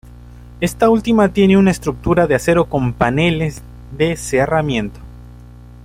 Esta última tiene una estructura de acero con paneles de cerramiento.